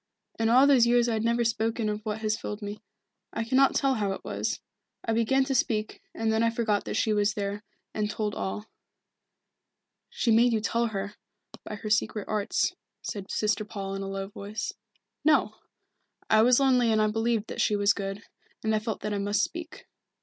In all those years I have never spoken of what has filled me. I cannot tell how it was. I began to speak, and then I forgot that she was there, and told all." "She made you tell her, by her secret arts," said Sister Paul in a low voice. "No I was lonely and I believed that she was good, and I felt that I must speak.